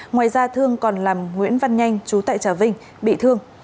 ngoài ra thương còn làm nguyễn văn nhanh trú tại trà vinh bị thương